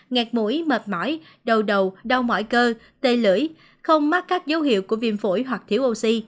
nghẹt mũi mệt mỏi đầu đầu đau mỏi cơ tê lưỡi không mắc các dấu hiệu của viêm phổi hoặc thiếu oxy